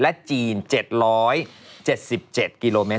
และจีน๗๗กิโลเมตร